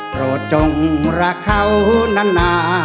โปรดจงรักเขานาน